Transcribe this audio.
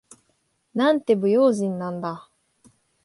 なんて不用心なんだ。